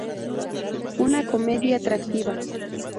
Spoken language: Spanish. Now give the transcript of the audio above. Una comedia atractiva.